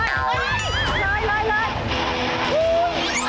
นิดเดียวจ้ะจ้อย